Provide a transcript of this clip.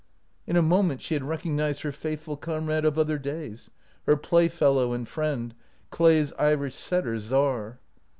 In a moment she had recognized her faithful comrade of other days, her playfellow and friend, Clay's Irish setter, Czar.